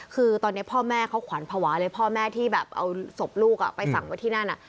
ขวานผวาเลยพ่อแม่ที่เอาศพลูกอ่ะไปสั่งไปที่นั่น